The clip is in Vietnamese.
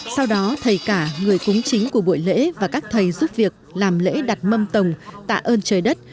sau đó thầy cả người cúng chính của buổi lễ và các thầy giúp việc làm lễ đặt mâm tổng tạ ơn trời đất